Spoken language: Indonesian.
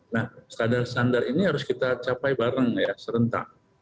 nah standar standar ini harus kita capai bareng ya serentak